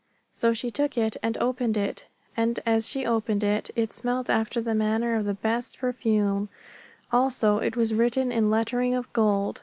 So she took it and opened it, and, as she opened it, it smelt after the manner of the best perfume; also it was written in lettering of gold.